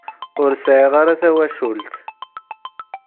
Ur sɛiɣ ara tawacult.